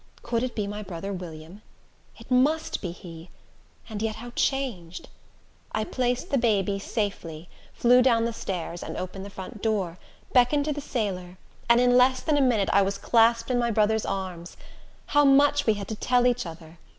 Could it be my brother William? It must be he—and yet, how changed! I placed the baby safely, flew down stairs, opened the front door, beckoned to the sailor, and in less than a minute I was clasped in my brother's arms. How much we had to tell each other!